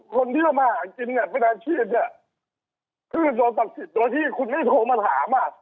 คนที่มาหากินเป็นอาชีพคือโดยศักดิ์สิทธิ์โดยที่คุณไม่โทรมาถาม